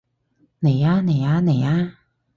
嚟吖嚟吖嚟吖